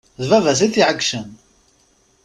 D baba-s i t-iɛeggcen.